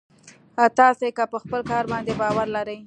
تاسې که په خپل کار باندې باور لرئ.